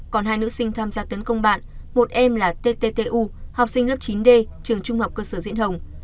còn hai nữ sinh tham gia tấn công bạn một em là ttu học sinh lớp chín d trường trung học cơ sở diễn hồng